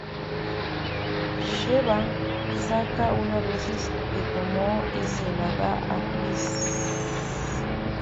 Sheva saca una dosis que tomó y se la da a Chris.